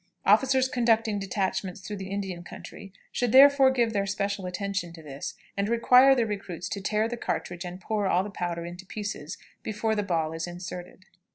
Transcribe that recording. Officers conducting detachments through the Indian country should therefore give their special attention to this, and require the recruits to tear the cartridge and pour all the powder into the piece before the ball is inserted.